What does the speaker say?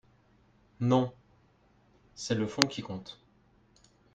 Non, c’est le fond qui compte.